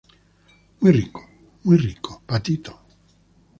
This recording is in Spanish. muy rico, muy rico, patito.